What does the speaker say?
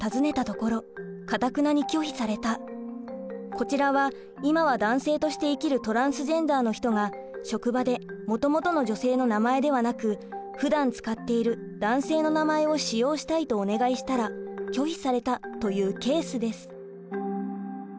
こちらは今は男性として生きるトランスジェンダーの人が職場でもともとの女性の名前ではなくふだん使っている男性の名前を使用したいとお願いしたら拒否されたというケースです。